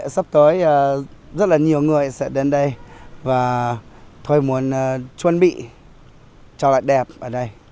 sắp tới rất là nhiều người sẽ đến đây và tôi muốn chuẩn bị cho lại đẹp ở đây